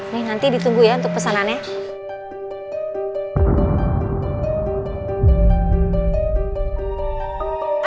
nih nanti ditunggu ya untuk pesanannya